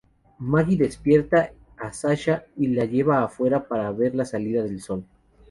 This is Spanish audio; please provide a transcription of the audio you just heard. Maggie despierta a Sasha y la lleva afuera para ver la salida del sol.